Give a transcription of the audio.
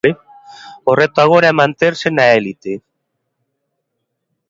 O reto agora é manterse na elite...